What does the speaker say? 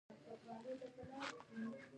سړي هغه ونه پرې کړه.